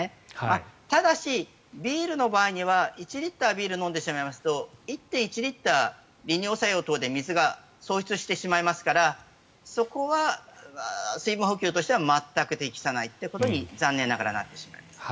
ただし、ビールの場合には１リットルビールを飲んでしまいますと１．１リットル、利尿作用等で水が喪失してしまいますからそこは水分補給としては全く適さないということに残念ながらなってしまいます。